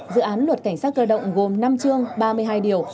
dự án luật cảnh sát cơ động gồm năm chương ba mươi hai điều